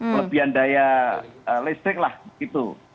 kelebihan daya listrik lah gitu